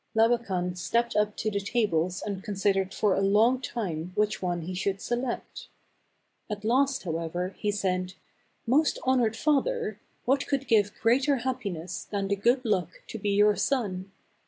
Labakan stepped up to the tables and consid ered for a long time which one he should select. At last, however, he said, "Most honored father, what could give greater happiness than the ' Good Luck ' to be your son